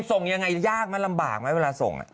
ส่งยังไงยากไหมลำบากไหมเวลาส่ง